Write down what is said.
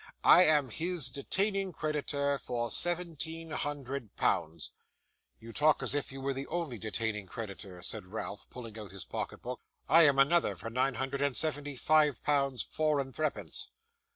I am his detaining creditor for seventeen hundred pounds!' 'You talk as if you were the only detaining creditor,' said Ralph, pulling out his pocket book. 'I am another for nine hundred and seventy five pounds four and threepence.